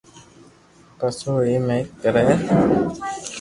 پسي او ايم اي ڪري ھي